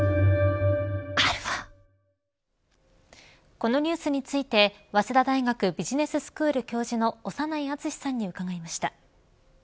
このニュースについて早稲田大学ビジネススクール教授の長内厚さんに伺いました。